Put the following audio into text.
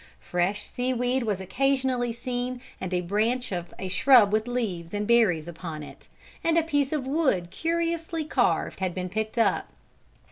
Fresh seaweed was occasionally seen and a branch of a shrub with leaves and berries upon it, and a piece of wood curiously carved had been picked up.